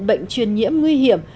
bệnh truyền nhiễm nguy hiểm